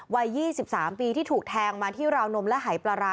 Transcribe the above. วัย๒๓ปีที่ถูกแทงมาที่ราวนมและหายปลาร้า